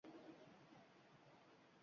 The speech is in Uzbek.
Xufton bo`lmasdan onalaringizning